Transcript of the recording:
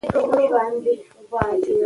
هغه ته خواړه او د خوب ځای برابر کړل شو.